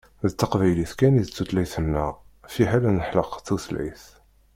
D taqbaylit kan i d tutlayt-nneɣ, fiḥel ad d-nexleq tutlayt.